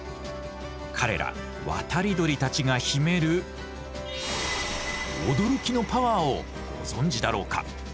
彼ら渡り鳥たちが秘める驚きのパワーをご存じだろうか。